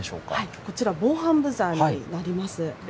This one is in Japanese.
こちら、防犯ブザーになります。